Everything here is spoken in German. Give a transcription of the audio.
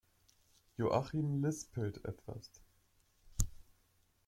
Joachim lispelt etwas.